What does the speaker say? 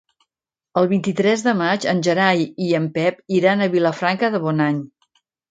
El vint-i-tres de maig en Gerai i en Pep iran a Vilafranca de Bonany.